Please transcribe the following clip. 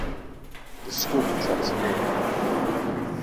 The school transformed.